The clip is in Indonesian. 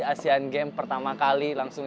asean games pertama kali langsung